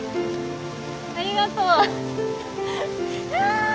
ありがとう。わい！